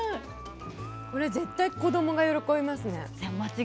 これ絶対に子どもが喜びますね。